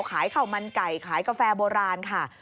ขายข้าวมันไก่ขายกาแฟโบราณค่ะ